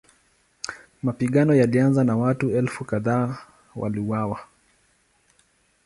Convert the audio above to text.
Mapigano yalianza na watu elfu kadhaa waliuawa.